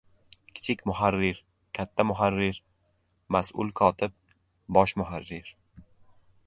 Kichik muharrir, katta muharrir, mas’ul kotib, bosh muharrir…